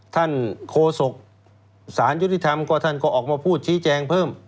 ท่านโคศกศาลยุทธิธรรมก็ออกมาพูดชี้แจงเพิ่ม